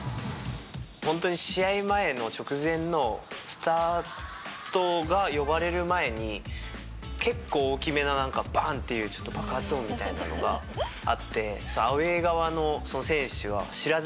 ホントに試合前の直前のスタートが呼ばれる前に結構大きめな「バン！」っていう爆発音みたいなのがあって。